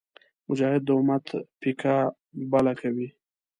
مجاهد د امت پیکه بله کوي.